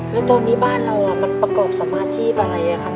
แล้วตอนนี้บ้านเรามันประกอบสมาชีพอะไรครับ